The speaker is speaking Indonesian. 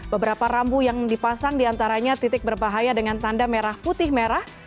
beberapa rambu yang dipasang diantaranya titik berbahaya dengan tanda merah putih merah